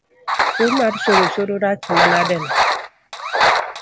Tuo mar surusuru rach manadeno